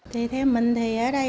thì theo mình thì ở đây